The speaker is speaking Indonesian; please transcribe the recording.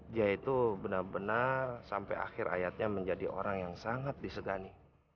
dia itu benar benar sampai akhir ayatnya menjadi orang yang sangat disegani